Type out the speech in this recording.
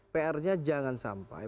pr nya jangan sampai